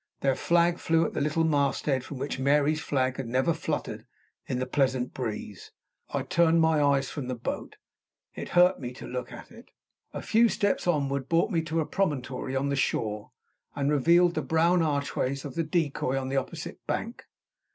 Their flag flew at the little mast head, from which Mary's flag had never fluttered in the pleasant breeze. I turned my eyes from the boat; it hurt me to look at it. A few steps onward brought me to a promontory on the shore, and revealed the brown archways of the decoy on the opposite bank.